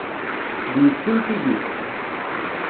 D yessi-m tigi?